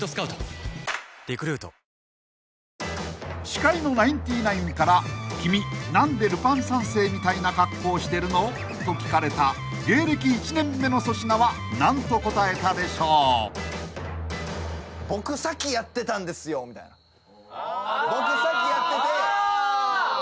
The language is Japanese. ［司会のナインティナインから「君何でルパン三世みたいな格好してるの？」と聞かれた芸歴１年目の粗品は何と答えたでしょう］みたいな言ってんちゃう？